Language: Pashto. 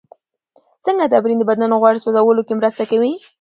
څنګه تمرین د بدن غوړ سوځولو کې مرسته کوي؟